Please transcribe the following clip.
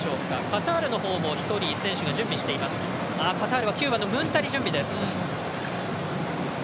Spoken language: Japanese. カタールは９番のムンタリ準備です。